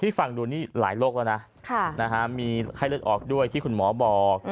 ฟังดูนี่หลายโรคแล้วนะมีไข้เลือดออกด้วยที่คุณหมอบอก